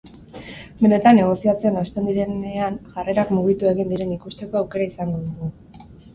Benetan negoziatzen hasten direnean jarrerak mugitu egin diren ikusteko aukera izango dugu.